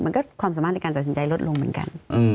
ความสามารถในการตัดสินใจลดลงเหมือนกัน